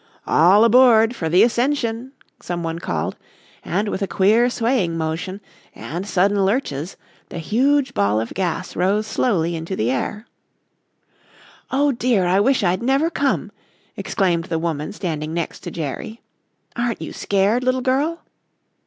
"All aboard for the ascension," someone called, and with a queer, swaying motion and sudden lurches the huge ball of gas rose slowly into the air. "Oh, dear, I wish I'd never come!" exclaimed the woman standing next to Jerry. "Aren't you scared, little girl?"